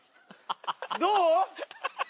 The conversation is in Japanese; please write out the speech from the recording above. どう？